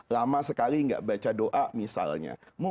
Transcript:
lama sekali tidak baca doa misalnya